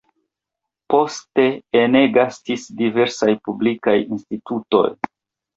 Poste ene gastis diversaj publikaj institutoj.